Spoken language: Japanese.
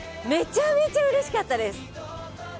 めちゃめちゃうれしかったです。